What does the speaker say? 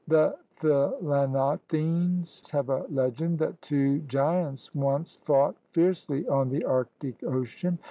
The Thilanot tines have a legend that two giants once fought fiercely on the Arctic Ocean.